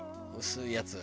薄いやつ。